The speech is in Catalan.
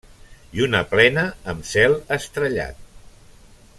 Lluna plena amb cel estrellat.